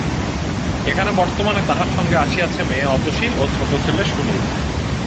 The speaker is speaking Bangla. এখানে বর্তমানে তাঁহার সঙ্গে আসিয়াছে মেয়ে অতসী ও ছোট ছেলে সুনীল।